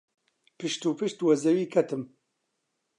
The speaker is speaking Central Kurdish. پشت و پشت وە زەوی کەتم.